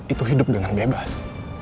itu hidup dengan bebas